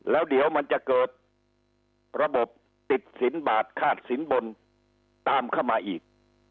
แล้วเดี๋ยวมันจะเกิดระบบติดสินบาทคาดสินบนตามเข้ามาอีก